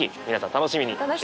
お楽しみに。